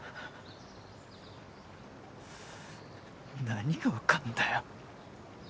何が分かんだよ。